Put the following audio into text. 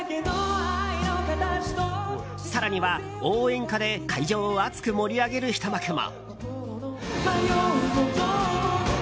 更には、応援歌で会場を熱く盛り上げるひと幕も。